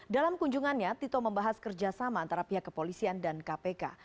dalam kunjungannya tito membahas kerjasama antara pihak kepolisian dan kpk